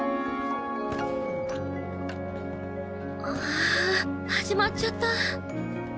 ああ始まっちゃった。